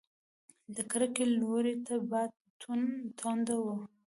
د کړکۍ لوري ته باد تونده و.